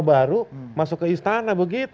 baru masuk ke istana begitu